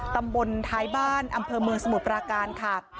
ตำบลท้ายบ้านอำเภอเมืองสมุทรปราการค่ะ